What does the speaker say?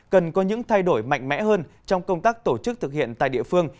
cần có những thay đổi mạnh mẽ hơn trong công tác tổ chức thực hiện tại địa phương